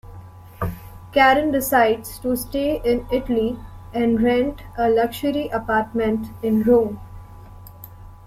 Karen decides to stay in Italy and rent a luxury apartment in Rome.